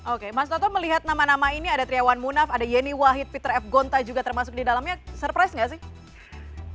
oke mas toto melihat nama nama ini ada triawan munaf ada yeni wahid peter f gonta juga termasuk di dalamnya surprise nggak sih